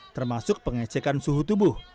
termasuk pengecekan suhu tubuh